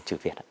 chữ việt ạ